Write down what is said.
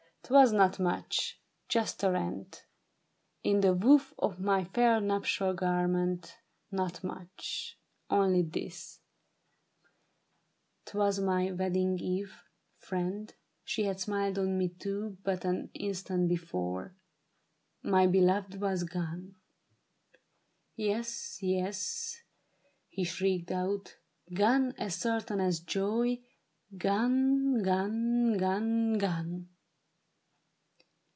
'twas not much ! Just a rent In the woof of my fair nuptial garment ! Not much ; Only this ; When I rose in the dusk from my guests ('Twas my wedding eve, friend ; she had smiled on me, too. But an instant before) my beloved was gone ! Yes, yes," he shrieked out, " gone as certain as joy — Gone, gone, gone, gone